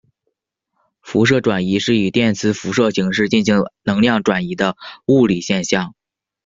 辐射转移是以电磁辐射形式进行能量转移的物理现象。